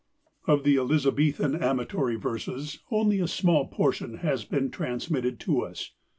Of the Elizabethan amatory verses only a small portion has been transmitted to us.